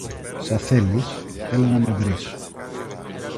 Σα θέλεις, έλα να με βρεις.